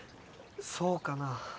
そうかな。